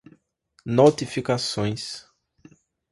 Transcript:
notificações